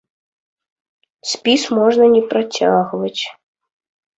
Спіс можна не працягваць.